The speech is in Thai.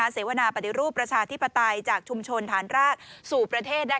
เสวนาปฏิรูปประชาธิปไตยจากชุมชนฐานรากสู่ประเทศ